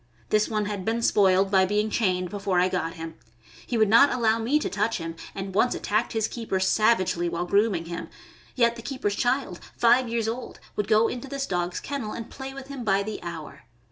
This one had been spoiled by being chained before I got him. He would not allow me to touch him, and once attacked his keeper savagely while grooming him; yet the keeper's child, five years old, would go into this dog's kennel and play with him by the hour.